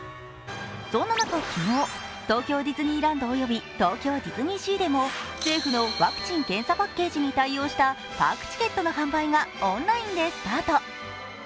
そんな中昨日、東京ディズニーランド及び東京ディズニーシーでも政府のワクチン・検査パッケージに対応したパークチケットの販売がオンラインでスタート。